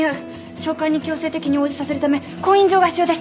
召喚に強制的に応じさせるため勾引状が必要です。